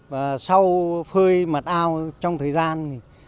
và sau phơi mặt ao trong thời gian